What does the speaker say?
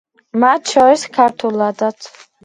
მათ შორის ქართულადაც.